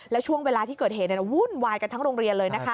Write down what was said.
แล้วช่วงเวลาที่เกิดเหตุวุ่นวายกันทั้งโรงเรียนเลยนะคะ